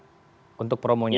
hanya sepuluh juta untuk promonya